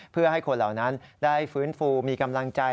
เพื่อให้คนเหล่านั้นได้ฟื้นฟูมีกำลังใจ